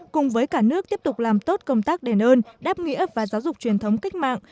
cùng với cả nước tiếp tục làm tốt công tác đền ơn đáp nghĩa và giáo dục truyền thống cách mạng